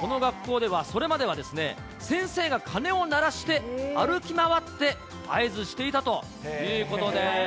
この学校ではそれまでは先生が鐘を鳴らして、歩き回って合図していたということです。